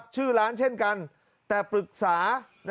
ชื่อร้านเช่นกันแต่ปรึกษา